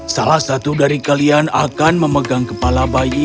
salah satu dari kalian akan memegang kepala bayi